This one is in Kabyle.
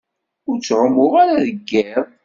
Ur ttɛumuɣ ara deg iḍ.